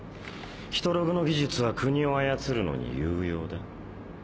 ヒトログの技術は国を操るのに有用だ。